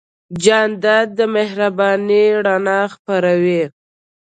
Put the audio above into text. جانداد د مهربانۍ رڼا خپروي.